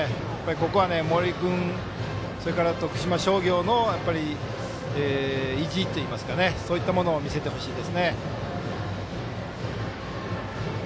ここは森君、それから徳島商業の意地といいますかそういったものを見せてほしいです。